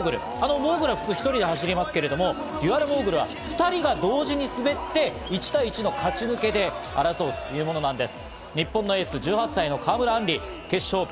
モーグルは普通１人で走りますけど、デュアルモーグルは２人が同時に滑って、１対１の勝ち抜けで争うというものなんです。